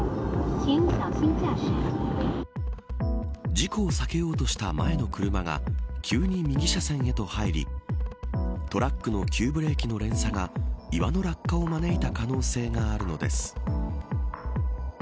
事故を避けようとした前の車が急に右車線へと入りトラックの急ブレーキの連鎖が岩の落下を招いた可能性があるのです。